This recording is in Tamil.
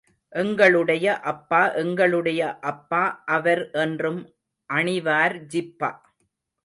எங்களுடைய அப்பா எங்களுடைய அப்பா—அவர் என்றும் அணிவார் ஜிப்பா.